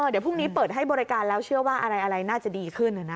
เดี๋ยวพรุ่งนี้เปิดให้บริการแล้วเชื่อว่าอะไรน่าจะดีขึ้น